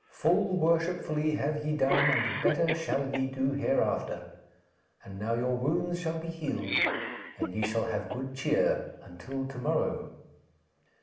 Full worshipfully have ye done and better shall ye do hereafter. And now your wounds shall be healed and ye shall have good cheer until to morrow.'